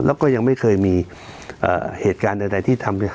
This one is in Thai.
แล้วก็ยังไม่เคยมีเหตุการณ์ใดที่ทำ